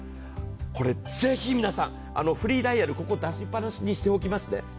これ、ぜひ皆さん、フリーダイヤル、出しっぱなしにしておきます。